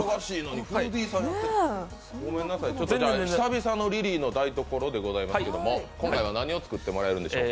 ごめんなさい、久々のリリーの台所でございますけれど今回は何を作ってもらえるんでしょうか？